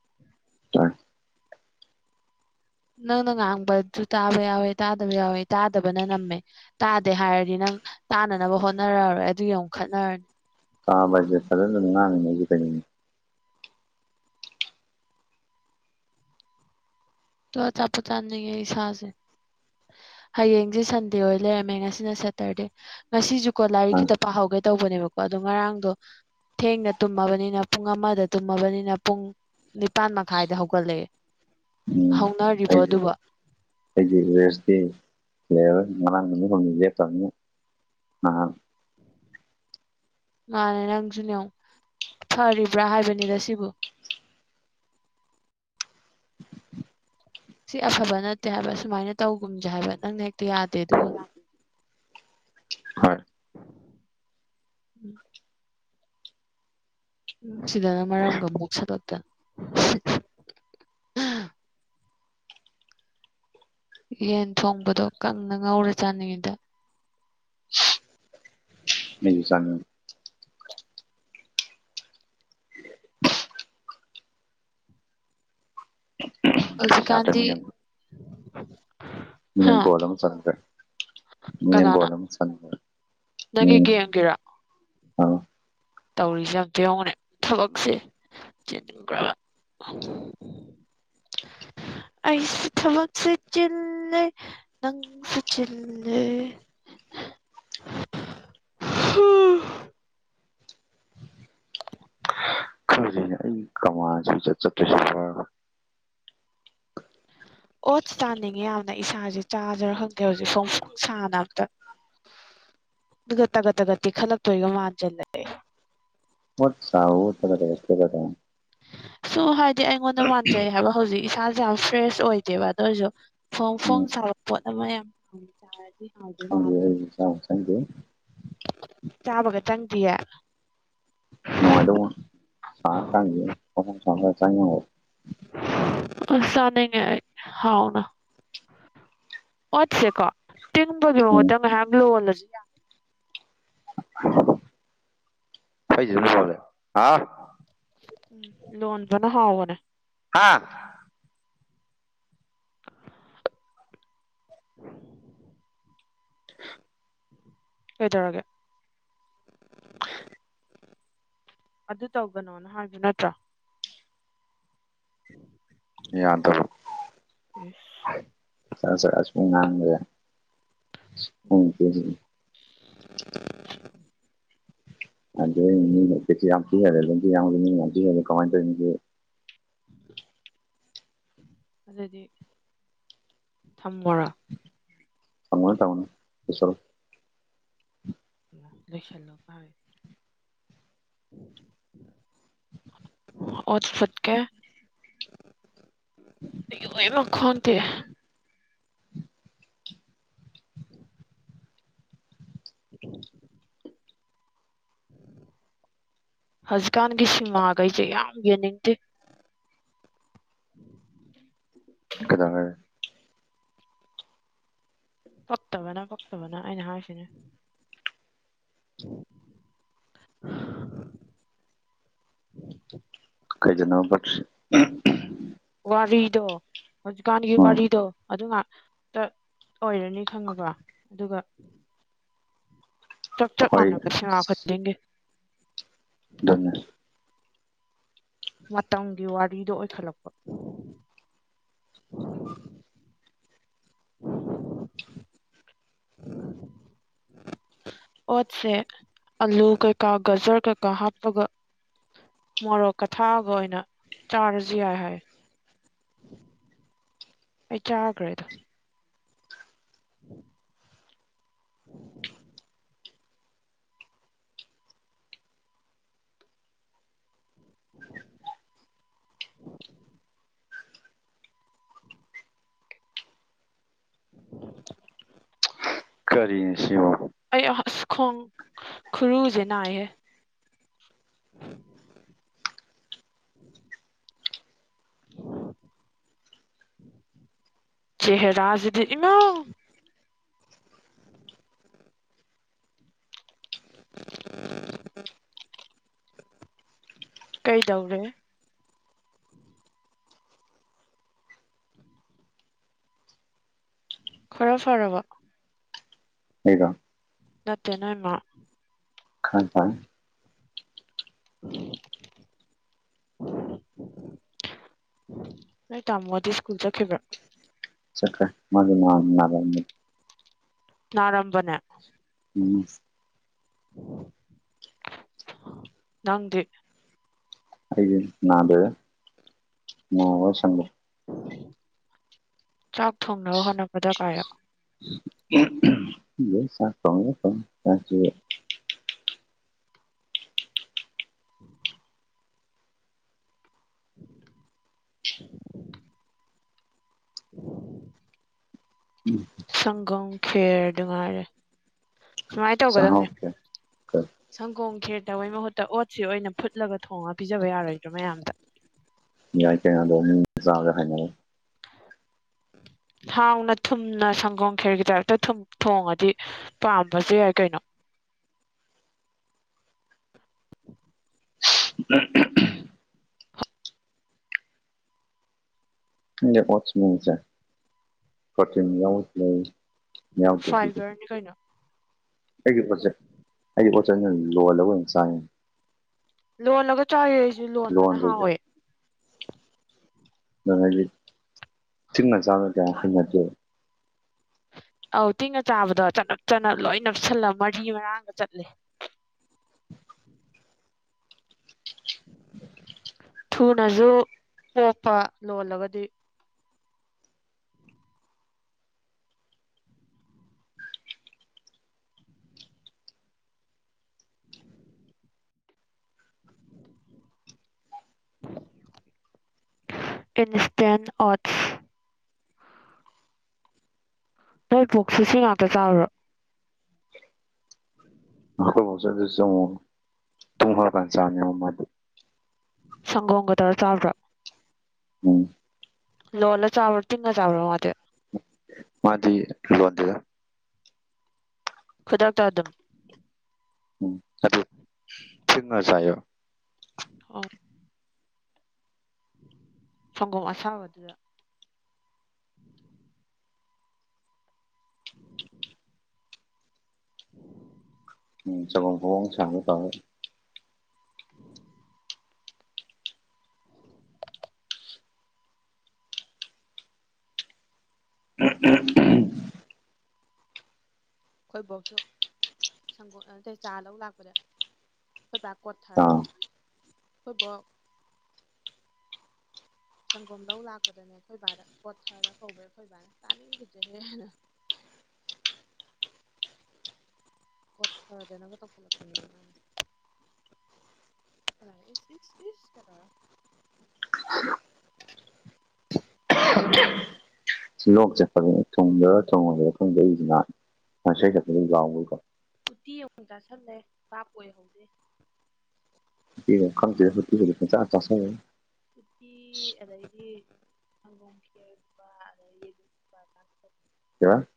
ꯅꯪꯅ ꯉꯥꯡꯕꯁꯨ ꯇꯥꯕ ꯌꯥꯎꯋꯦ ꯇꯥꯗꯕ ꯌꯥꯎꯋꯦ ꯇꯥꯗꯕꯅ ꯅꯝꯃꯦ ꯇꯥꯗꯦ ꯍꯥꯏꯔꯗꯤ ꯅꯪ ꯇꯥꯅꯅꯕ ꯍꯣꯠꯅꯔꯛꯔꯣꯏ ꯑꯗꯨ ꯑꯃꯨꯛ ꯈꯠꯅꯔꯅꯤ ꯀꯥꯕꯦ ꯊꯖꯟꯗꯉꯥꯡꯅꯉꯒꯤ ꯀꯩꯅꯅꯤꯡꯅꯤ ꯇ ꯆꯄ ꯆꯥꯅꯤꯡꯉꯦ ꯁꯥꯦ ꯍꯌꯦꯡꯁꯦ ꯁꯟꯗꯦ ꯑꯣꯏ ꯂꯩꯔꯝꯃꯦ ꯉꯁꯤꯅ ꯁꯦꯇꯔꯗꯦ ꯉꯁꯤꯁꯨꯀꯣ ꯂꯥꯏꯔꯤꯛ ꯈꯤꯇ ꯄꯥꯍꯧꯒꯦ ꯇꯧꯕꯅꯦꯕꯀꯣ ꯑꯗꯣ ꯉꯔꯥꯡꯗꯣ ꯊꯦꯡꯅ ꯇꯨꯝꯃꯕꯅꯤꯅ ꯄꯨꯡ ꯑꯃꯗ ꯇꯨꯝꯃꯕꯅꯤꯅ ꯄꯨꯡ ꯅꯤꯄꯥꯥꯟ ꯃꯈꯥꯏꯗ ꯍꯧꯒꯠꯂꯛꯑꯦ ꯎꯝ ꯍꯧꯅꯔꯤꯕ ꯑꯗꯨꯒ ꯁ ꯂꯩꯦꯕ ꯉ ꯉꯅꯅꯤ ꯍ ꯇ ꯑ ꯃꯥꯅꯦ ꯅꯪꯁꯨꯅꯦ ꯐꯔꯤꯕ꯭ꯔꯥ ꯍꯥꯏꯕꯅꯤꯗ ꯁꯤꯕꯨ ꯁꯤ ꯑꯐꯕ ꯅꯠꯇꯦ ꯍꯥꯏꯕ ꯁꯨꯃꯥꯏꯅ ꯇꯧꯒꯨꯝꯁꯦ ꯍꯥꯏꯕ ꯅꯪꯅ ꯍꯦꯛꯇ ꯌꯥꯗꯦ ꯑꯗꯨꯒ ꯍꯣꯏ ꯁꯤꯗꯅ ꯃꯔꯝꯒ ꯃꯨꯛꯁꯜꯂꯛꯇꯅ ꯌꯦꯟ ꯊꯣꯡꯕꯗꯣ ꯀꯪꯅ ꯉꯧꯔ ꯆꯥꯅꯤꯡꯉꯤꯗ ꯑꯩꯖꯨ ꯆꯅꯤꯡꯉꯦ ꯍꯧꯖꯤꯀꯥꯟꯗꯤ ꯌꯥꯗ꯭ꯔꯃꯤꯅ ꯏꯪꯂꯦꯟ ꯒꯣꯜ ꯑꯃꯥ ꯆꯟꯈꯔꯦ ꯢꯪꯂꯦꯟ ꯀꯅꯥꯅ ꯒꯣꯜ ꯑꯃꯥ ꯆꯟꯒꯔꯦ ꯅꯪꯒꯤ ꯎꯝ ꯒꯦꯝꯒꯤꯔ ꯍꯥꯎ ꯇꯧꯔꯤꯁꯦ ꯑꯝꯇꯥ ꯌꯦꯡꯉꯣꯅꯦ ꯊꯕꯛꯁꯦ ꯆꯤꯟꯒꯔꯕ [unintelligible] ꯑꯩꯁꯨ ꯊꯕꯛꯁꯦ ꯆꯤꯟꯂꯦ꯫ ꯅꯪꯁꯨ ꯆꯤꯜꯂꯦ [inaudible] ꯍꯝ꯫ ꯀꯃ ꯆꯠꯇ꯭ꯔꯁ ꯑꯣꯠ ꯆꯥꯅꯤꯡꯉꯤ ꯌꯥꯝꯅ ꯏꯁꯥꯁꯦ ꯆꯥꯖꯔ ꯈꯪꯗꯦ ꯍꯧꯖꯤꯛ ꯁ ꯁ ꯁꯥꯅ ꯑꯝꯇ ꯑꯗꯨꯒ ꯇꯥꯠ ꯇꯒꯠꯇꯦ ꯈꯜꯂꯛꯇꯣꯏꯒ ꯃꯥꯟꯁꯤꯜꯂꯑꯦ ꯃꯠ ꯇꯒꯗꯁ ꯀꯗ ꯁꯨꯝ ꯍꯥꯏꯗꯤ ꯑꯩꯉꯣꯟꯗ ꯃꯥꯟꯖꯩ ꯍꯥꯏꯕ ꯍꯧꯖꯤꯛ ꯏꯁꯥꯁꯦ ꯌꯥꯝ ꯐ꯭ꯔꯦꯁ ꯑꯣꯏꯗꯦꯕ ꯑꯗꯨ ꯑꯣꯏꯁꯨ ꯐꯣꯡ ꯎꯝ ꯐꯣꯡ ꯁꯥꯕ ꯄꯣꯠ ꯑꯃ ꯌꯥꯝ ꯄꯥ ꯆꯥꯔꯗꯤ ꯍꯥꯎꯗꯣꯏ ꯍ ꯃꯥꯜꯂꯦ ꯆ ꯊꯖꯦ ꯆꯥꯕꯒ ꯆꯪꯗ꯭ꯌꯦ [unintelligible] [unintelligible] ꯆꯥꯅꯤꯡꯉꯦ ꯑꯩ ꯍꯥꯎꯅ ꯑꯣꯠꯁꯦꯀꯣ ꯇꯤꯡꯕꯒꯤ ꯎꯝ ꯃꯍꯨꯠꯇ ꯉꯥꯏꯍꯌꯛ ꯂꯣꯜꯂ [unintelligible] ꯑꯩꯗꯤ ꯑꯗꯨꯝ ꯂꯣꯜꯂꯦ ꯍꯥꯎ [unintelligible] ꯂꯣꯟꯕꯅ ꯍꯥꯎꯕꯅꯦ ꯍꯥꯥ ꯀꯩꯗꯧꯔꯒꯦ꯫ ꯑꯗꯨ ꯇꯧꯒꯅꯣꯅ ꯍꯥꯏꯕ ꯅꯠꯇ꯭ꯔ꯫ ꯌꯥꯗꯕꯔꯣ ꯆꯒꯠ ꯆꯒꯠ ꯁꯨꯝ ꯉꯥꯡ ꯂꯩꯔꯦ [unintelligible] [unintelligible] [unintelligible] ꯑꯗꯨꯗꯤ ꯊꯝꯃꯣꯔ꯫ [unintelligible] [unintelligible] ꯑꯣꯠꯁ ꯐꯨꯠꯀꯦ [unintelligible] ꯈꯣꯡ ꯇꯦꯛꯑꯦ [unintelligible] ꯍꯧꯖꯤꯛꯀꯥꯟꯒꯤ ꯁꯤꯃꯥꯒꯩꯁꯦ ꯌꯥꯝ ꯌꯦꯡꯅꯤꯡꯗꯦ ꯀꯩꯗꯧꯔꯒꯦ ꯄꯛꯇꯕꯅ ꯄꯛꯇꯕꯅ ꯑꯩꯅ ꯍꯥꯏꯁꯤꯅꯤ ꯀꯩꯗꯅꯣ ꯄꯛꯇꯔꯤ ꯋꯥꯔꯤꯗꯣ ꯍꯧꯖꯤꯛꯀꯥꯟꯒꯤ ꯎꯝ ꯋꯥꯔꯤꯗꯣ ꯑꯗꯨ ꯉꯥꯛ ꯇ ꯑꯣꯏꯔꯅꯤ ꯈꯪꯉꯕ ꯑꯗꯨꯒ ꯆꯞ ꯆꯞ ꯍꯣꯏ ꯁꯦꯟꯃꯥ ꯈꯨꯗꯤꯡꯒꯤ ꯗꯨꯨꯅꯦ ꯃꯇꯝꯒꯤ ꯋꯥꯔꯤꯗꯣ ꯑꯣꯏꯈꯠꯂꯛꯄ [unintelligible] ꯑꯣꯠꯁꯦ ꯑꯂꯨ ꯀꯩꯀꯥ ꯒꯖꯔ ꯀꯩꯀꯥ ꯍꯥꯞꯄꯒ ꯃꯣꯔꯣꯛꯀꯥ ꯊꯥꯛꯑꯒ ꯑꯣꯏꯅ ꯆꯥꯔꯖꯨ ꯌꯥꯏ ꯍꯥꯏ꯫ ꯑꯩ ꯆꯥꯒꯔꯦ ꯑꯗꯣ ꯎ ꯎ ꯎ ꯀꯔꯤ ꯁꯤꯃ ꯑꯩꯁ ꯈꯣꯡ ꯈꯨꯔꯨꯁꯦ ꯅꯥꯏꯍꯦ [unintelligible] ꯆꯦꯍꯔꯥꯖꯗꯤ ꯏꯃꯎ ꯑ꯫ ꯀꯩꯗꯧꯔꯦ ꯈꯔ ꯐꯔꯕ ꯑꯩꯔꯣ꯫ ꯅꯠꯇꯦ ꯅꯣꯏ ꯃꯥ [unintelligible] [unintelligible] ꯅꯣꯏ ꯇꯃꯣꯗꯤ ꯁꯀ꯭ꯨꯜ ꯆꯠꯈꯤꯕꯔꯣ ꯆꯠ꯭ꯔꯦ [unintelligible] ꯅꯔꯝꯕꯅꯦ ꯎꯝ ꯅꯪꯗꯤ ꯑꯩꯒꯤ ꯅꯗꯦꯕ ꯅ ꯋꯥ ꯆ ꯆꯥꯛ ꯊꯣꯡꯅꯕ ꯍꯣꯠꯅꯕꯗ ꯀꯥꯏ ꯆꯄꯉꯦ ꯀ ꯆꯁꯤ ꯎ [inaudible] [unintelligible] ꯎꯝ ꯁꯪꯒꯝ ꯈꯦꯔ ꯑꯗꯨ ꯉꯥꯏꯔꯦ ꯁꯨꯃꯥꯏꯅ ꯆꯥꯛꯍꯥꯎ ꯇꯧꯒꯗꯧꯅꯦ ꯀꯌꯥ ꯁꯪꯒꯣꯝ ꯈꯦꯔꯠꯇꯕꯩ ꯃꯍꯨꯠꯇ ꯑꯣꯠꯁꯤ ꯑꯣꯏꯅ ꯐꯨꯠꯂꯒ ꯊꯣꯡꯉ ꯄꯤꯖꯕ ꯌꯥꯔꯣꯏꯗ꯭ꯔꯣ ꯃꯌꯥꯝꯗ ꯌꯥꯏ ꯀꯌꯥꯗꯣꯥꯒ ꯍꯥꯏꯦ ꯍꯥꯎꯅ ꯊꯨꯝꯅ ꯁꯪꯒꯣꯝ ꯈꯦꯔꯒꯤꯗꯔꯛꯇ ꯊꯣꯡꯉꯗꯤ ꯄꯥꯝꯕꯁꯨꯦ ꯌꯥꯏ ꯀꯩꯅꯣ ꯁꯁꯦꯇ ꯌꯥ ꯐꯥꯏꯕꯔꯅꯤ ꯀꯩꯅꯣ ꯑꯩꯒꯤ ꯄꯣꯠꯆꯦ ꯑꯩꯒꯤ ꯄꯣꯠꯆꯦ ꯅ ꯂꯣꯜꯂꯒ ꯑꯣꯏꯅ ꯁꯥꯡꯉꯦ ꯂꯣꯜꯂꯒ ꯆ ꯆꯥꯎꯋ ꯑꯩꯁꯨ ꯂꯣꯟꯕꯅ ꯂꯣꯟꯗꯗꯤ ꯍꯥꯎꯋꯦ ꯅ ꯊꯤꯅ ꯆꯥꯂ ꯇ ꯊꯅꯠꯇ ꯑꯧ ꯇꯤꯡꯉ ꯆꯥꯕꯗꯣ ꯆꯅꯞ ꯆꯅ ꯂꯣꯏ ꯅꯞꯁꯤꯜꯂ ꯃꯔꯤ ꯃꯔꯥꯡꯗ ꯆꯠꯂꯦ ꯊꯨꯅꯁꯨ ꯄꯣꯛꯄ ꯂꯣꯜꯂꯒꯗꯤ ꯏꯟꯁꯇꯦꯟ ꯑꯣꯠꯁ ꯅꯣꯏ ꯄꯨꯣꯛꯁꯤ ꯁꯤ ꯉꯥꯛꯇ ꯆꯥꯎ꯭ꯔꯣ ꯊ ꯍꯔ ꯀꯥꯟ ꯆ ꯃꯥ ꯁꯪꯒꯣꯝꯒ ꯇꯔꯥ ꯆꯥꯕ꯭ꯔꯥ ꯎꯝ ꯂꯣꯂ ꯆ ꯑꯕꯇ ꯅ ꯆꯥꯕꯑꯣ ꯃ ꯃꯥꯗꯤ ꯂꯣꯟꯣꯟꯗꯗ ꯈꯨꯗꯥꯥꯛ ꯇꯥ ꯑꯗꯨꯝ ꯎꯝ ꯑꯗꯨ ꯊꯅꯣ ꯆꯣ ꯑꯣ ꯁꯪꯒꯣꯝ ꯑꯁꯥꯕꯗꯨꯗ [inaudible] ꯎꯝ ꯆ ꯐꯣꯡ ꯆꯔ ꯇꯦ [inaudible] ꯎꯝ ꯎꯝ ꯎꯝ ꯑꯩꯈꯣꯏꯐꯧꯁꯨ ꯁꯪꯒꯣ ꯑꯠꯇꯇꯩ ꯆꯥ ꯂꯧꯧꯕ ꯂꯥꯛꯄꯗ ꯍꯣꯏ ꯀ ꯊꯔ ꯀ ꯑꯥ ꯍꯔꯤꯕ [inaudible] ꯁꯪꯒꯣꯝ ꯂꯧ ꯂꯥꯛꯄꯗꯅꯦ ꯑꯩꯈꯣꯏ ꯕꯥꯗ ꯀꯣꯠꯊꯔ ꯀꯧꯕ ꯑꯩꯈꯣꯏ ꯕꯥꯅ ꯇꯥꯅꯤꯡꯈꯤꯗ꯭ꯔꯦꯍꯦꯟꯅ ꯀꯣꯠꯔꯗꯅꯒ ꯇꯠꯂꯛꯄꯅ [inaudible] ꯁꯤꯂꯣꯛ ꯆꯠꯄꯅꯦ ꯊꯨꯡꯗꯒ ꯊꯣꯡꯉꯁꯤ ꯊꯨꯡꯗꯏꯁꯤꯅ ꯉꯁꯩ ꯆꯛꯄꯗ ꯌꯥꯎꯕꯣꯏꯀꯣ ꯎꯇꯤ ꯑꯃꯨꯛ ꯆꯥꯁꯜꯂꯦ ꯥꯞ ꯑꯣꯏꯍꯧꯗꯦ ꯀꯪꯇ ꯆ ꯆ ꯎꯇꯤ ꯑꯗꯩꯗꯤ ꯒꯨꯝꯈꯦꯔꯂꯨ [inaudible]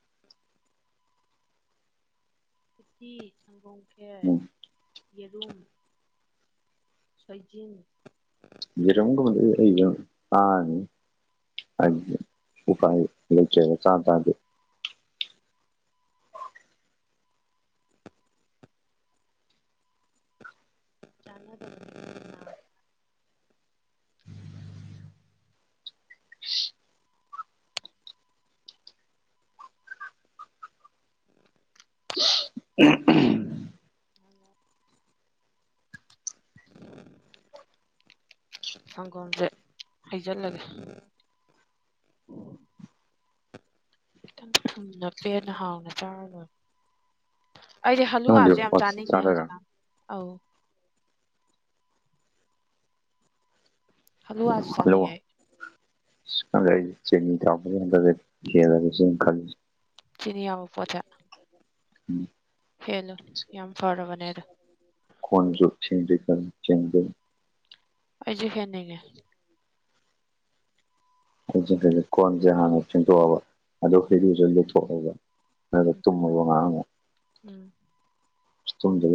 ꯎꯇꯤ ꯈꯦꯔ ꯎꯝ ꯌꯦꯔꯨꯝ ꯁꯣꯏꯖꯤꯡ ꯏꯔꯒ ꯑꯥꯅꯤ ꯍꯥꯏ ꯎꯄꯥꯥꯏ ꯂꯩ ꯆ ꯇ ꯑꯗꯨꯦ [unintelligible] ꯅꯥꯔꯦ [unintelligible] ꯁꯪꯒꯣꯝꯁꯦ ꯍꯩꯖꯤꯜꯂꯒꯦ ꯈꯤꯇꯪ ꯊꯨꯝꯅ ꯄꯦꯟꯅ ꯍꯥꯎꯅ ꯆꯥꯔ ꯂꯣꯏ ꯑꯩꯁꯦ ꯅꯪ ꯍꯜꯂꯨ ꯍꯧꯖꯤꯛ ꯍꯥꯕꯁꯦ ꯌꯥꯝ ꯑꯣꯠꯁ ꯆꯥꯅꯤꯡꯉꯦ ꯆꯥꯗꯣꯏꯔꯥ ꯍꯧꯖꯤꯛꯀꯥꯟ ꯑꯧ ꯍꯜꯂꯨꯋꯥꯁꯨ ꯆꯥꯅꯤꯉ ꯆꯦꯅꯤ ꯀ ꯌꯦ ꯈ ꯆꯅꯤ ꯌꯥꯕ ꯄꯣꯠꯇꯦ ꯎꯝ ꯍꯦꯜꯂꯨ ꯌꯥꯝ ꯐꯔꯕꯅꯦ ꯑꯗꯣ ꯈꯣꯟꯖ ꯊ ꯀ ꯆꯦꯟꯗ ꯑꯩꯖꯤ ꯐꯅꯤꯉꯦ ꯑꯩ ꯀꯣꯟꯁꯦ ꯍꯥꯟꯅ ꯆꯦꯡꯇꯣꯛꯑꯕ ꯑꯗꯨꯣ ꯍꯩꯔꯨꯁꯨ ꯂꯦꯊꯣꯛꯑꯕ ꯃ ꯇꯨꯝ ꯃꯉ ꯎꯝ ꯊꯨꯝꯗ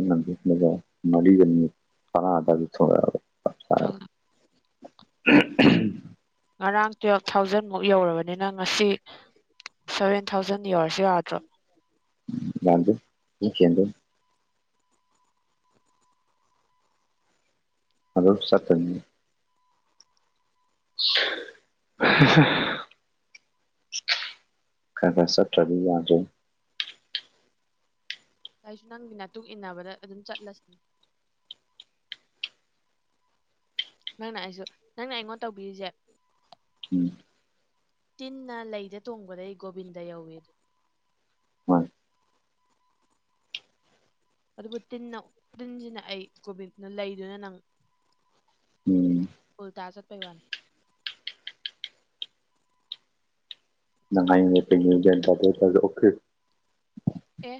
ꯃꯂꯤꯒꯅꯤ ꯐꯔꯗꯗꯤ ꯊ [unintelligible] [inaudible] ꯉꯔꯥꯡ ꯇꯨꯌꯦꯜꯞ ꯊꯥꯎꯖꯟꯃꯨꯛ ꯌꯧꯔꯕꯅꯤ ꯅꯤꯅ ꯉꯁꯤ ꯁꯚꯦꯟ ꯊꯥꯎꯖꯟ ꯌꯧꯔꯁꯨ ꯌꯥꯗ꯭ꯔꯣ ꯅ ꯌꯦꯁꯤ ꯑꯗꯨ ꯑꯗꯨꯗ ꯆꯀ [inaudible] ꯈꯔ ꯈꯔ ꯁꯠꯇ꯭ꯔꯕꯤ ꯌꯥꯖꯦ ꯑꯩꯁꯨ ꯅꯪꯒꯤꯅ ꯃꯇꯨꯡꯛ ꯏꯟꯅꯕꯗ ꯑꯗꯨꯝ ꯆꯠꯂꯁꯤ ꯅꯪꯅ ꯑꯩꯁꯨ ꯅꯪꯅ ꯑꯩꯉꯣꯟꯗ ꯇꯧꯕꯤꯔꯤꯁꯦ ꯎꯝ ꯇꯤꯟꯅ ꯂꯩꯗ ꯇꯣꯡꯕꯗ ꯑꯩ ꯒꯣꯕꯤꯟꯗ ꯌꯧꯋꯤ ꯑꯗꯨ ꯍꯣꯏ ꯑꯗꯨꯕꯨ ꯇꯤꯟꯅ ꯇꯤꯟꯁꯤꯅ ꯑꯩ ꯀꯒꯣꯕꯤꯅ ꯂꯩꯗꯨꯅ ꯅꯪ ꯎꯝ ꯐꯨꯜꯇꯥꯖꯠ ꯄꯩꯕꯅꯤ ꯅꯪꯉ ꯄꯩ ꯇ ꯑꯣꯦ ꯑꯦ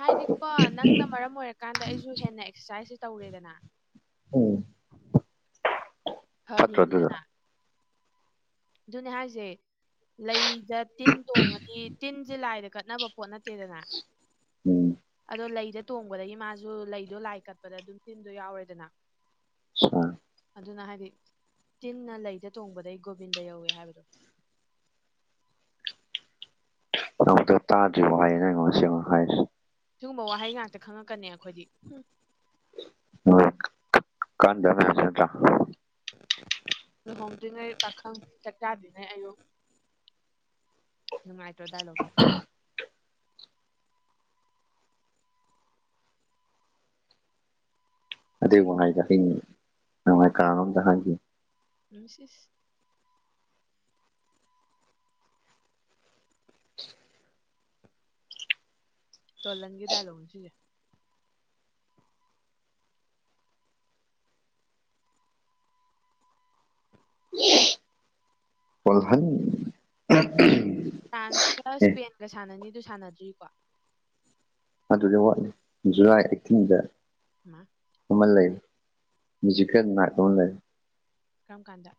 ꯍꯥꯏꯗꯤꯀꯣ ꯅꯪꯅ ꯃꯔꯝ ꯑꯣꯏꯔꯛ ꯀꯥꯟꯗ ꯑꯩꯁꯨ ꯍꯦꯟꯅ ꯑꯦꯛꯁꯔꯁꯥꯏꯖꯁꯦ ꯇꯧꯔꯦꯗꯅ ꯎꯝ ꯐꯠꯇ꯭ꯔꯣ ꯑꯗꯨꯗꯣ ꯍꯗꯤꯗꯅꯥ ꯑꯗꯨꯅꯦ ꯍꯥꯏꯁꯦ ꯂꯩꯗ ꯇꯤꯟ ꯇꯣꯡꯉꯗꯤ ꯇꯤꯟꯁꯦ ꯂꯥꯏꯗ ꯀꯠꯅꯕ ꯄꯣꯠ ꯅꯠꯇꯦꯗꯅ ꯎꯝ ꯑꯗꯣ ꯂꯩꯗ ꯇꯣꯡꯕꯗꯒꯤ ꯃꯥꯁꯨ ꯂꯩꯗꯣ ꯂꯥꯏ ꯀꯠꯄꯗ ꯑꯗꯨꯝ ꯇꯤꯟꯗꯣ ꯌꯥꯎꯔꯦꯗꯅ [inaudible] ꯑꯗꯨꯅ ꯍꯥꯏꯗꯤ ꯇꯤꯟꯅ ꯂꯩꯗ ꯇꯣꯡꯕꯗꯩ ꯒꯣꯕꯤꯟꯗ ꯌꯧꯋꯦ ꯍꯥꯏꯕꯗꯣ ꯑꯃꯨꯛꯇ ꯇꯥꯗ꯭ꯔꯤꯕꯣ ꯍꯥꯏꯌꯦꯅ ꯑꯩꯩꯅ ꯉꯁꯤ ꯑꯃꯉꯛ ꯍꯥꯏꯔꯤꯁꯤꯦ ꯁꯤꯒꯨꯝꯕ ꯋꯥꯍꯩ ꯉꯥꯛꯇ ꯈꯪꯉꯛꯀꯅꯤ ꯑꯩꯈꯣꯏꯗꯤ ꯎ ꯀꯥꯟꯗ ꯂꯨꯍꯣꯡꯗ꯭ꯔꯤꯉꯩ ꯄꯥꯈꯪ ꯆꯥꯛꯇꯥꯗ꯭ꯔꯤꯉꯩ ꯑꯌꯨꯛ ꯅꯨꯡꯉꯥꯏꯇ꯭ꯔꯣ ꯗꯥꯏꯂꯣꯁꯦ ꯅꯨꯡ ꯀ ꯍ ꯅꯅꯨꯡꯉꯥꯏ ꯀꯥꯅꯝꯗ ꯍꯥꯏꯒ ꯃꯤꯁꯤꯦꯁ ꯇꯣꯂꯟꯒꯤ ꯗꯥꯏꯂꯣꯛꯅꯤ ꯁꯤꯁꯦ [unintelligible] ꯐ꯭ꯔꯥꯟꯁꯀ ꯑꯦ ꯏꯁꯄꯦꯟꯒ ꯁꯥꯟꯅꯅꯤꯗꯨ ꯁꯥꯟꯅꯗ꯭ꯔꯤꯀꯣ ꯑꯗꯨꯗꯤ ꯋꯥꯠꯂꯤ ꯖꯨꯂꯥꯏ ꯑꯩꯠꯇꯤꯟꯗ [inaudible] ꯀꯃꯜ ꯂꯩꯖꯤꯀꯅ ꯀꯜ ꯂꯩ ꯀꯔꯝ ꯀꯥꯟꯗ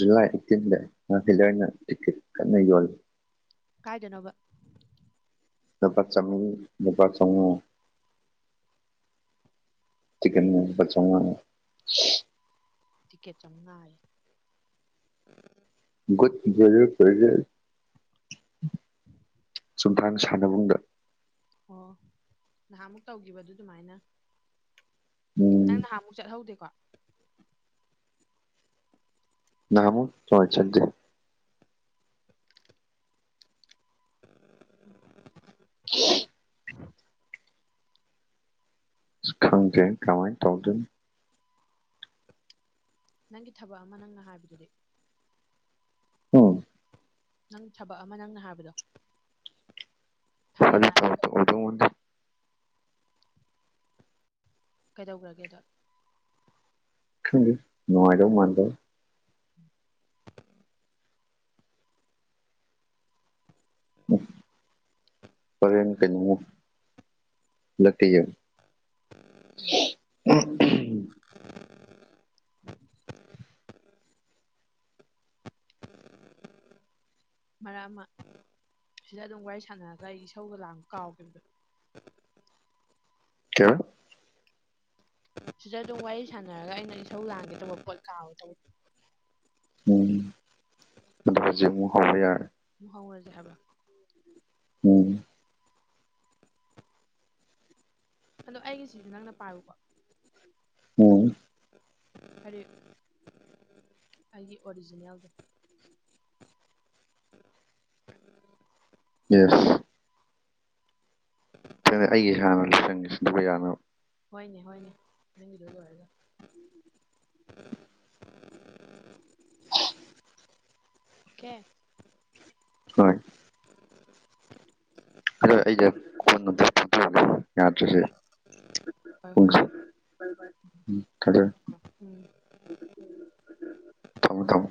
ꯖꯨꯂꯥꯏ ꯑꯩꯠꯇꯤꯟꯗ ꯍꯤꯂꯔꯅ ꯇꯤꯛꯀꯦꯠ ꯀꯟꯅ ꯌꯣꯜꯂꯤ ꯀꯥꯏꯗꯅꯣꯅꯕ ꯅꯄꯥ ꯆꯃꯤ ꯅꯄꯥ ꯆꯪꯉꯨ ꯆꯤꯤꯡꯟꯅ ꯄ ꯇꯤꯀꯦꯠ ꯆꯉꯏ ꯎ ꯔꯔ ꯑꯝꯪꯅ ꯁꯅꯨꯡꯗ ꯑꯣ ꯅꯍꯥꯟꯃꯨꯛ ꯇꯧꯈꯤꯕꯗꯨ ꯑꯗꯨꯃꯥꯏꯅ ꯅꯪ ꯎꯝ ꯅꯍꯥꯟꯃꯨꯛ ꯆꯠꯍꯧꯗꯦꯣ ꯅꯃꯣ ꯆꯉꯥꯏ ꯆꯠꯗꯦ ꯑ ꯍ ꯈꯪꯗꯦ ꯀꯃꯥꯏ ꯇꯧꯗꯦ ꯅꯪꯒꯤ ꯊꯕꯛ ꯑꯃ ꯅꯪꯅ ꯍꯥꯏꯕꯗꯨꯗꯤ ꯎꯝ ꯅꯪ ꯊꯕꯛ ꯑꯃ ꯅꯪꯅ ꯍꯥꯏꯕꯗꯣ ꯐꯒꯤ ꯃꯥ ꯑꯗꯨꯣ ꯀꯩꯗꯧꯈ꯭ꯔꯒꯦꯗꯣ ꯅꯅꯨꯡꯉꯥꯏꯔꯣ ꯃꯥꯟꯗꯣ ꯄꯅ ꯀꯩꯅꯩꯅ ꯂꯇꯤꯒ ꯎꯝ ꯃꯔꯛ ꯑꯃ ꯁꯤꯗ ꯑꯗꯨꯝ ꯋꯥꯔꯤ ꯁꯥꯟꯅꯔꯒ ꯑꯩ ꯏꯁꯧꯒ ꯂꯥꯡ ꯀꯥꯎꯈꯤꯕꯗꯣ ꯀ ꯁꯤꯗ ꯑꯗꯨꯝ ꯋꯥꯔꯤ ꯁꯥꯟꯅꯔꯒ ꯑꯩꯅ ꯏꯁꯧ ꯂꯥꯡꯒꯦ ꯇꯧꯕ ꯄꯣꯠ ꯀꯥ ꯇꯧꯕ ꯎꯝ ꯑꯗꯨꯗꯨꯄꯖꯤ ꯃꯨ ꯍꯕ ꯌꯥꯔ ꯍꯧꯔꯁꯦ ꯍꯥꯏꯕ ꯎꯝ ꯑꯗꯣ ꯑꯩꯒꯤꯁꯤꯗꯤ ꯅꯪꯅ ꯄꯥꯏꯌꯨꯀꯣ ꯎ ꯀꯔꯤ ꯑꯩꯒꯤ ꯑꯣꯔꯤꯖꯤꯅꯦꯜꯗꯣ ꯌꯦ ꯎ ꯑꯩꯒꯤ ꯍꯥꯟꯅ ꯂꯁꯪꯒꯤꯁꯤꯟꯗꯕ ꯌꯥꯅꯕ ꯍꯣꯏꯅꯦ ꯍꯣꯏꯅꯦ ꯅꯪꯒꯤꯗ ꯂꯣꯏꯔꯒ [inaudible] ꯑꯣ ꯀꯦ ꯍꯣꯏ ꯑꯗꯣ ꯑꯩꯁ ꯀ ꯌꯥꯗ꯭ꯔꯁꯦ ꯍꯣꯏ ꯍꯣꯏ ꯄꯨꯡꯁꯦ ꯎꯝ ꯊꯝꯃꯦ ꯎ ꯎꯝ ꯊꯃꯃꯦ ꯊꯃꯃꯦ